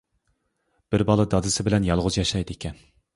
بىر بالا دادىسى بىلەن يالغۇز ياشايدىكەن.